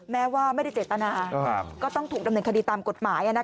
แม้ว่าไม่ได้เจตนาก็ต้องถูกดำเนินคดีตามกฎหมาย